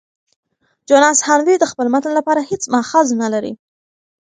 جوناس هانوې د خپل متن لپاره هیڅ مأخذ نه لري.